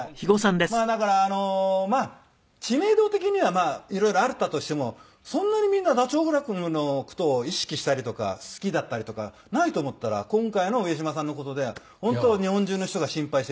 だから知名度的には色々あったとしてもそんなにみんなダチョウ倶楽部の事を意識したりとか好きだったりとかないと思ったら今回の上島さんの事で本当日本中の人が心配していて。